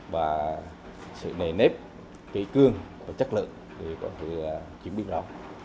và sự nề nếp kỹ cương và chất lượng để có thể chuẩn bị rõ